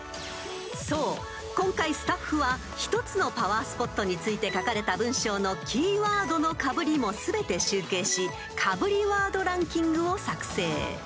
今回スタッフは１つのパワースポットについて書かれた文章のキーワードのかぶりも全て集計しかぶりワードランキングを作成］